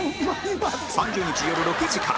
３０日よる６時から